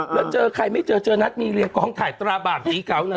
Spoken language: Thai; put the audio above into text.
แล้วเจอใครไม่เจอเจอนัทมีเรียมกองถ่ายตราบาปสีเก่าเลย